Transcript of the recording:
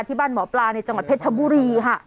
ที่บ้านหมอปลาในจังหวัดเพชรชบุรีค่ะ